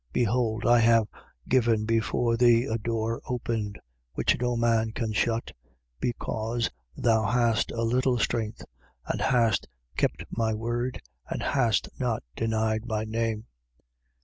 Behold, I have given before thee a door opened, which no man can shut: because thou hast a little strength and hast kept my word and hast not denied my name.